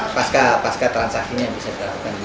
pasca pasca transaksinya yang bisa dilakukan